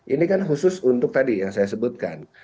ini kan khusus untuk tadi yang saya sebutkan